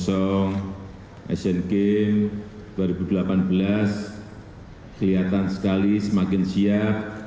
asian games dua ribu delapan belas kelihatan sekali semakin siap